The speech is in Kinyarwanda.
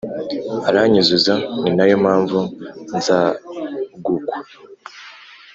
uranyuzuza ni nayo mpamvu nzagukwa